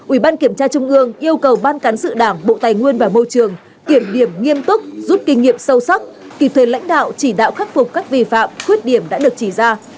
ủy ban kiểm tra trung ương yêu cầu ban cán sự đảng bộ tài nguyên và môi trường kiểm điểm nghiêm túc rút kinh nghiệm sâu sắc kịp thời lãnh đạo chỉ đạo khắc phục các vi phạm khuyết điểm đã được chỉ ra